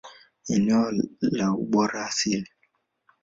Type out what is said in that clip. Eneo la ubora asili.